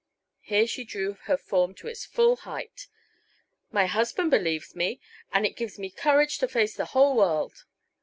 Here she drew her form to its full height. "My husband believes in me, and it gives me courage to face the whole world.